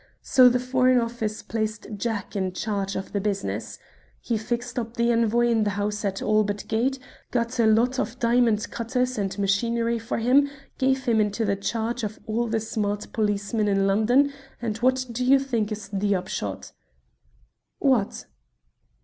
So the Foreign Office placed Jack in charge of the business. He fixed up the Envoy in the house at Albert Gate, got a lot of diamond cutters and machinery for him, gave him into the charge of all the smart policemen in London; and what do you think is the upshot?" "What?"